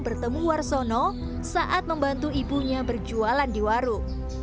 bertemu warsono saat membantu ibunya berjualan di warung